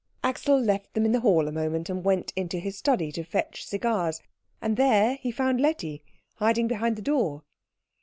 Axel left them in the hall a moment, and went into his study to fetch cigars; and there he found Letty, hiding behind the door.